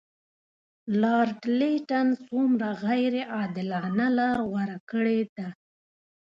لارډ لیټن څومره غیر عادلانه لار غوره کړې ده.